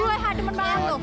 jual deh hadapan banget